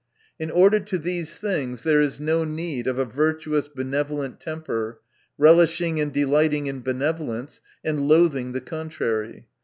In order to these things tl. re is no need of a virtuous benevolent temper, relishing and delighting in benevolence, and loathing the contrary.